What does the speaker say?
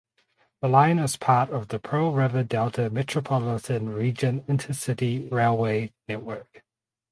The line is part of the Pearl River Delta Metropolitan Region intercity railway network.